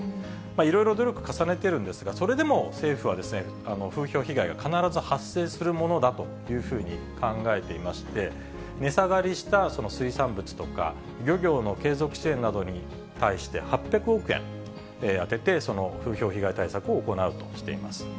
いろいろ努力重ねてるんですが、それでも政府は、風評被害が必ず発生するものだというふうに考えていまして、値下がりした、その水産物とか、漁業の継続支援などに対して８００億円充てて、その風評被害対策を行うとしています。